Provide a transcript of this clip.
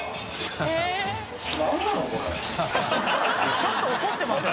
ちょっと怒ってません？